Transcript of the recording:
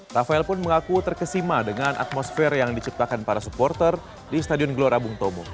rafael pun mengaku terkesima dengan atmosfer yang diciptakan para supporter di stadion gelora bung tomo